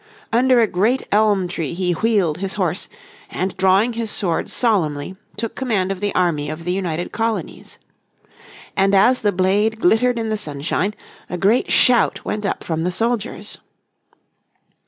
Under a great elm tree he wheeled his horse, and drawing his sword solemnly took command of the army of the United Colonies. And as the blade glittered in the sunshine, a great shout went up from the soldiers.